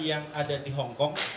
yang ada di hong kong